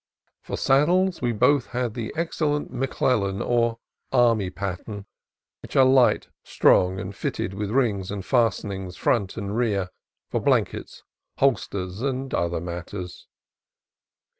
For saddles we both had the excellent McClellan or army pattern, which are light, strong, and fitted with rings and fastenings front and rear for blankets, holsters, and other matters.